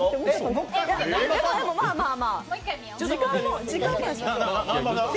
でも、まあまあまあ、時間も。